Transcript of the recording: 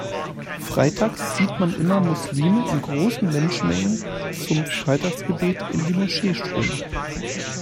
Freitags sieht man immer Muslime in großen Menschenmengen zum Freitagsgebet in die Moschee strömen.